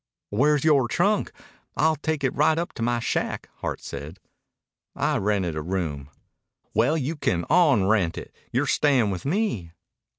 "Where's yore trunk? I'll take it right up to my shack," Hart said. "I've rented a room." "Well, you can onrent it. You're stayin' with me."